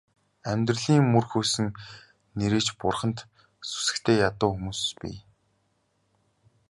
Амьдралын мөр хөөсөн нээрээ ч бурханд сүсэгтэй ядуу хүмүүс бий.